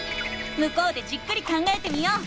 向こうでじっくり考えてみよう。